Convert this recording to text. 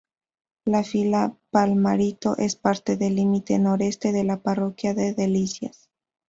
La fila Palmarito es parte del límite Noreste de la Parroquia Las Delicias.